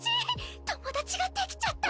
友達ができちゃった！